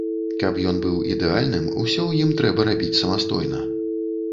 Каб ён быў ідэальным, усё ў ім трэба рабіць самастойна.